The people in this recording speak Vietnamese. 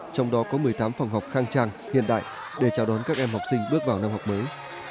trong đó có một mươi tám phòng học khang trang hiện đại để chào đón các em học sinh bước vào năm học mới